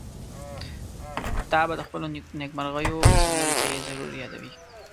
تا به د خپلو نېکمرغيو په سندرو کې ضرور يادوي.